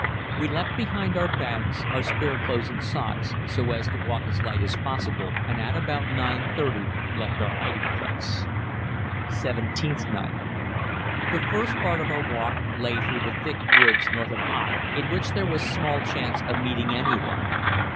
We left behind us our bags, our spare clothes and socks, so as to walk as light as possible, and at about 9.30 left our hiding place. Seventeenth Night. The first part of our walk lay through the thick woods north of Aach, in which there was small chance of meeting anyone.